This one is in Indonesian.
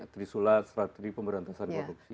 trisulat strategi pemberantasan korupsi